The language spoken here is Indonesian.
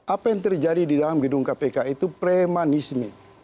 apa yang terjadi di dalam gedung kpk itu premanisme